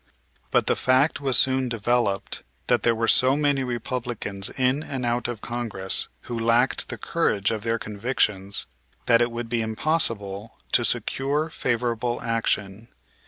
But the fact was soon developed that there were so many Republicans in and out of Congress who lacked the courage of their convictions that it would be impossible to secure favorable action.